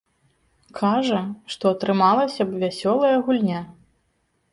Кажа, што атрымалася б вясёлая гульня.